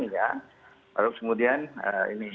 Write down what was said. lalu kemudian ini